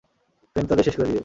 প্রেম তাদের শেষ করে দিবে।